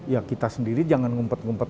ya kita sendiri jangan ngumpet ngumpet